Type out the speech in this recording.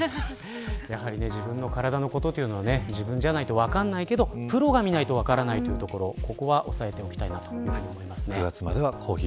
やはり自分の体のことは自分でなければ分からないけどプロが見なければ分からないというところも押さえておきたいと思います。